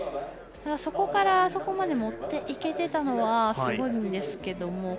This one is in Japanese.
そこから、持っていけてたのはすごいんですけども。